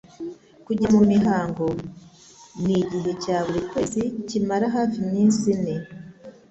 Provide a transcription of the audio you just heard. Kujya mu mihango Ni igihe cya buri kwezi kimara hafi iminsi ine;